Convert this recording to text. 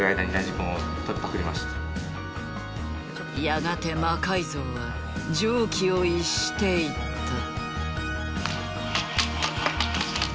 やがて魔改造は常軌を逸していった。